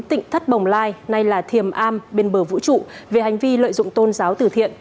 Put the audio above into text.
tỉnh thất bồng lai nay là thiềm am bên bờ vũ trụ về hành vi lợi dụng tôn giáo tử thiện